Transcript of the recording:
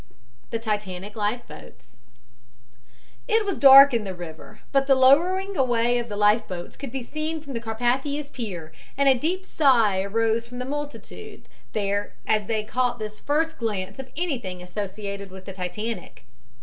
THE TITANIC LIFE BOATS It was dark in the river, but the lowering away of the life boats could be seen from the Carpathia's pier, and a deep sigh arose from the multitude there as they caught this first glance of anything associated with the Titanic.